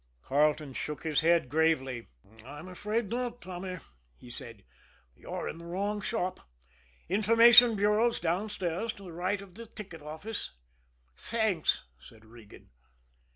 Carleton shook his head gravely. "I'm afraid not, Tommy," he said. "You're in the wrong shop. Information bureau's downstairs to the right of the ticket office." "Thanks!" said Regan.